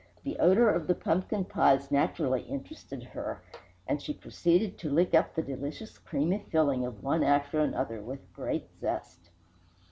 The odour of the pumpkin pies naturally interested her, and she proceeded to lick up the delicious creamy filling of one after another with great zest.